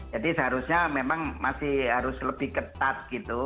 jadi seharusnya memang masih harus lebih ketat gitu